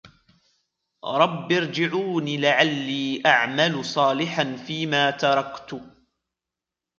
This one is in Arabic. رَبِّ ارْجِعُونِ لَعَلِّي أَعْمَلُ صَالِحًا فِيمَا تَرَكْتُ